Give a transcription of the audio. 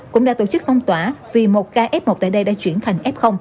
cũng đã tổ chức phong tỏa vì một ca f một tại đây đã chuyển thành f